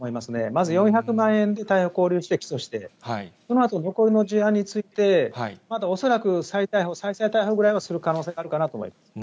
まず４００万円で逮捕、拘留して、そのあと残りの事案について、まだ恐らく再逮捕、再々逮捕ぐらいはする可能性があるかなと思います。